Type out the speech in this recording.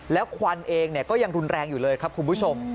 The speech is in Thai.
แล้วควันเองก็ยังรุนแรงอยู่เลยครับคุณผู้ชม